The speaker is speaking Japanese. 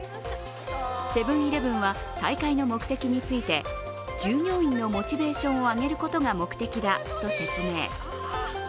セブン−イレブンは大会の目的について従業員のモチベーションを上げることが目的だと説明。